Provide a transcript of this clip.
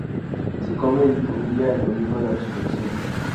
Se come en familia el Domingo de Resurrección.